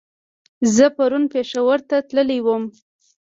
زه پرون پېښور ته تللی ووم